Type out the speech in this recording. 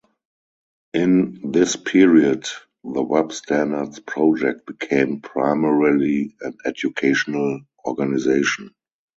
In this period, the Web Standards Project became primarily an educational organization.